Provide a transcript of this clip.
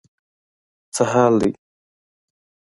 څه حال دی.